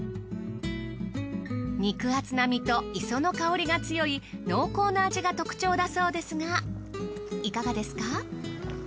肉厚な身と磯の香りが強い濃厚な味が特徴だそうですがいかがですか？